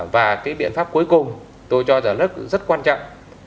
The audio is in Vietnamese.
và cái biện pháp cuối cùng tôi cho là rất quan trọng